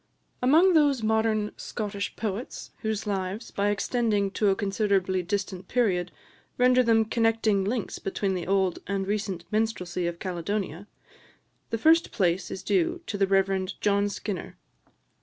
Among those modern Scottish poets whose lives, by extending to a considerably distant period, render them connecting links between the old and recent minstrelsy of Caledonia, the first place is due to the Rev. John Skinner.